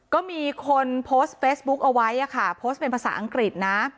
ก็มีคนโพสต์เฟซบุ๊กเอาไว้โพสต์เป็นภาษาอังกฤษนะ